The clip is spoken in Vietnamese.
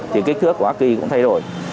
thì kích thước của ác quy cũng thay đổi